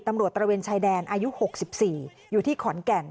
ตระเวนชายแดนอายุ๖๔อยู่ที่ขอนแก่น